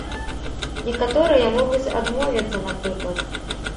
Некаторыя могуць адмовіцца, напрыклад.